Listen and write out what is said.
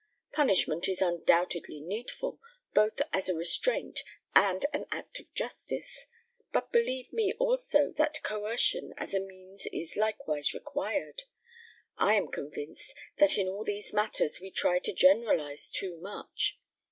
Punishment is undoubtedly needful, both as a restraint and an act of justice, but believe me also, that coercion as a means is likewise required. I am convinced that in all these matters we try to generalize too much.